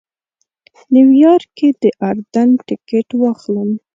نیویارک کې د اردن ټکټ واخلم.